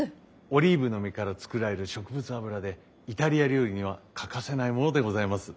オリーブの実から作られる植物油でイタリア料理には欠かせないものでございます。